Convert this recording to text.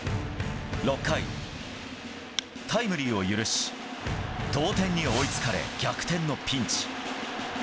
６回、タイムリーを許し同点に追いつかれ逆転のピンチ。